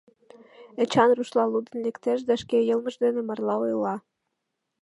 Эчан рушла лудын лектеш да шке йылмыж дене марла ойла.